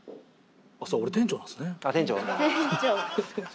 あっそう俺店長なんですね。